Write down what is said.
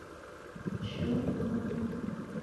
Shoa ugho mdi